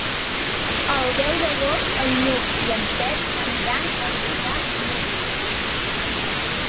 El deu d'agost en Lluc i en Pep aniran a visitar mon oncle.